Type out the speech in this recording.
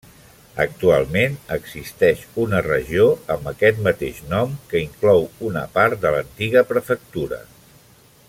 Actualment existeix una regió amb aquest mateix nom, que inclou una part de l'antiga prefectura.